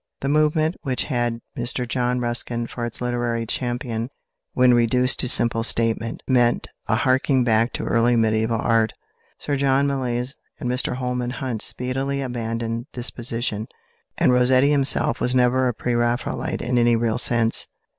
The movement, which had Mr John Ruskin for its literary champion, when reduced to simple statement, meant a harking back to early mediæval art. Sir John Millais and Mr Holman Hunt speedily abandoned this position, and Rossetti himself was never a pre Raphaelite in any real sense.